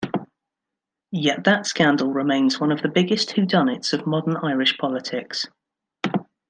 Yet that scandal remains one of the biggest whodunnits of modern Irish politics.